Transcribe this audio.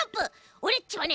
オレっちはね